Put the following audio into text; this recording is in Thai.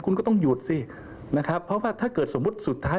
คุณก็ต้องหยุดสินะครับเพราะว่าถ้าเกิดสมมุติสุดท้าย